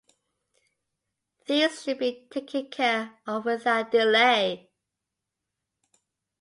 These should be taken care of without delay.